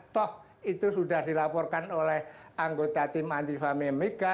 toh itu sudah dilaporkan oleh anggota tim antifamil miga